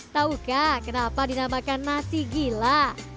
taukah kenapa dinamakan nasi gila